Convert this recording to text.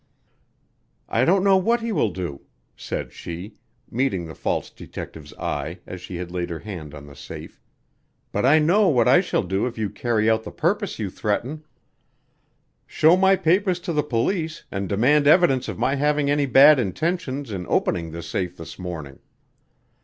"I don't know what he will do," said she, meeting the false detective's eye as she laid her hand on the safe, "but I know what I shall do if you carry out the purpose you threaten. Show my papers to the police and demand evidence of my having any bad intentions in opening this safe this morning.